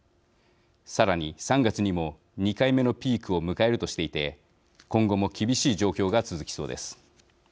さらに３月にも２回目のピークを迎えるとしていて今後も厳しい状況が続きそうです。